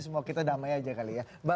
semoga kita damai aja kali ya